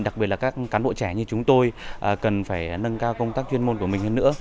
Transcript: đặc biệt là các cán bộ trẻ như chúng tôi cần phải nâng cao công tác chuyên môn của mình hơn nữa